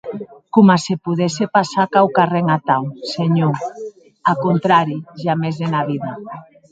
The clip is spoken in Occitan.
Coma se podesse passar quauquarren atau, senhor; ath contrari, jamès ena vida.